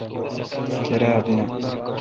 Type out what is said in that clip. کیراب نہ۔